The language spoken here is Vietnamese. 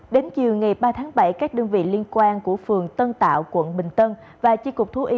đến chiều ngày ba tháng bảy các đơn vị liên quan của phường tân tạo quận bình tân và chi cục thú y